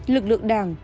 lực lượng đảng